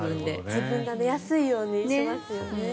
自分が寝やすいようにしますよね。